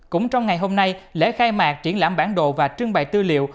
cũng trong ngày hôm nay lễ khai mạc triển lãm bản đồ và trưng bày tư liệu